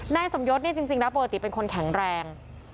นายสมยศเนี่ยจริงนะปกติเป็นคนแข็งแรง